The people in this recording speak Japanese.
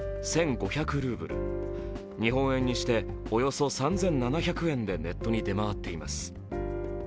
ルーブル、日本円にしておよそ３７００円でネットに出回っています。